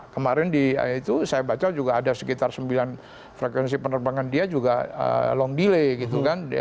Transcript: kemarin itu saya baca juga ada sekitar sembilan frekuensi penerbangan dia juga long delay gitu kan